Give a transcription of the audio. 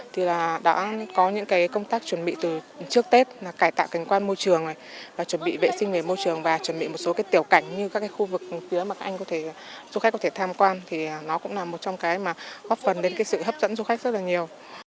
thì là đã có những công tác chuẩn bị từ trước tết là cải tạo cảnh quan môi trường và chuẩn bị vệ sinh về môi trường và chuẩn bị một số tiểu cảnh như các khu vực phía mặt anh du khách có thể tham quan thì nó cũng là một trong cái mà góp phần đến sự hấp dẫn du khách rất là nhiều